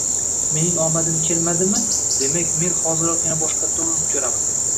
Mening omadim kelmadimi, demak men hoziroq yana boshqatdan urinib ko’raman